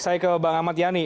saya ke bang amat yani